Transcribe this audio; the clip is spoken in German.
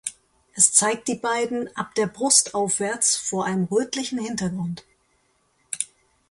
Es zeigt die beiden ab der Brust aufwärts vor einem rötlichen Hintergrund.